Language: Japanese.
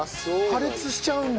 破裂しちゃうんだ。